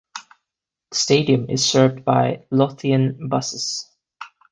The stadium is served by Lothian Buses.